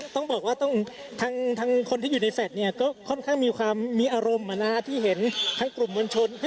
ต้องบอกว่าทางคนที่อยู่ในแฝดก็ค่อนข้างมีอารมณาที่เห็นทางกลุ่มเมืองชน